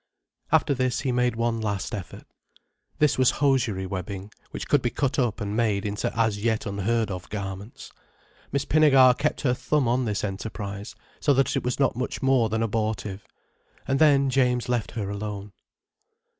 After this, he made one last effort. This was hosiery webbing, which could be cut up and made into as yet unheard of garments. Miss Pinnegar kept her thumb on this enterprise, so that it was not much more than abortive. And then James left her alone.